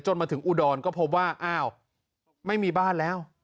มาถึงอุดรก็พบว่าอ้าวไม่มีบ้านแล้ว